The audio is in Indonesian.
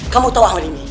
kamu tahu alimi